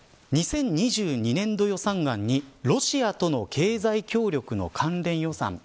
２０２２年度予算案にロシアとの経済協力の関連予算